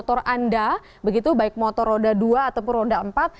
motor anda begitu baik motor roda dua ataupun roda empat